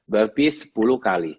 berpi sepuluh kali